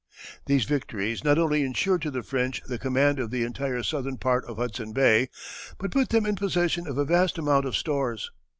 These victories not only insured to the French the command of the entire southern part of Hudson Bay, but put them in possession of a vast amount of stores.